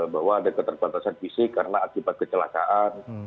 bahwa ada keterbatasan fisik karena akibat kecelakaan